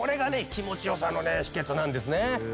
気持ち良さのね秘訣なんですね。